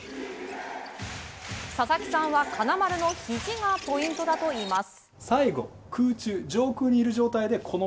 佐々木さんは、金丸のひじがポイントだといいます。